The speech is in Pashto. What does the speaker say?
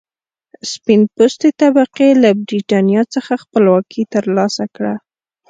سپین پوستې طبقې له برېټانیا څخه خپلواکي تر لاسه کړه.